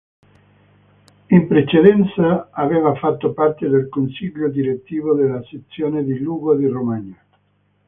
In precedenza, aveva fatto parte del Consiglio Direttivo della Sezione di Lugo di Romagna.